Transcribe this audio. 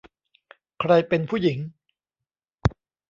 ใครเป็นผู้หญิง ?